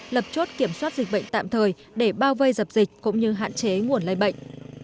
lập chốt kiểm soát dịch bệnh tạm thời để bao vây dập dịch cũng như hạn chế nguồn lây bệnh